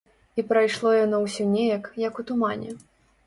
І прайшло яно ўсё неяк, як у тумане.